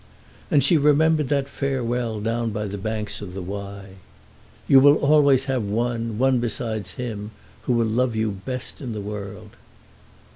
And she remembered that farewell down by the banks of the Wye. "You will always have one, one besides him, who will love you best in the world."